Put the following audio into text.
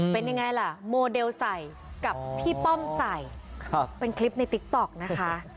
เป็นยังไงล่ะโมเดลใส่กับพี่ป้อมใส่เป็นคลิปในติ๊กต๊อกนะคะ